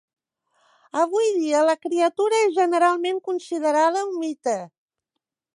Avui dia la criatura és generalment considerada un mite.